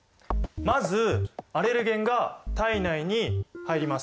まずアレルゲンが体内に入ります。